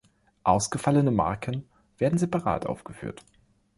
Ausgefallene Marken werden separat aufgeführt.